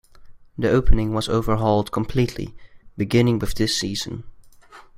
The opening was overhauled completely beginning with this season.